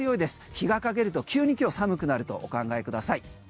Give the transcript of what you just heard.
日が陰ると急に今日寒くなるとお考えください。